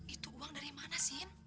itu uang dari mana sih